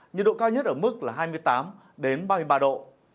nhiệt độ cao nhất ở mức là hai mươi tám ba mươi ba độ